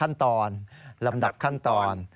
เอาละครับอาจารย์เช้านี้ข้อนุญาต